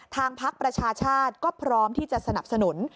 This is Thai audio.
พักประชาชาติก็พร้อมที่จะสนับสนุน